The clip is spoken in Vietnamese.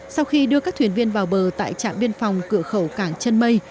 sau khi đưa các thuyền viên vào bờ tại trạm biên phòng cửa khẩu cảng chân mây